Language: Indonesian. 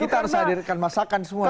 kita harus hadirkan masakan semua